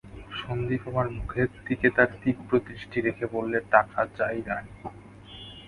সন্দীপ আমার মুখের দিকে তার তীব্র দৃষ্টি রেখে বললে, টাকা চাই রানী!